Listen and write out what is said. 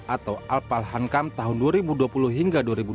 atau al palhanqam tahun dua ribu dua puluh hingga dua ribu dua puluh empat